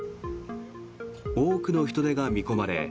多くの人出が見込まれ